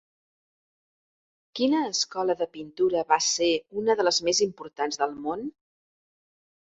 Quina escola de pintura va ser una de les més importants del món?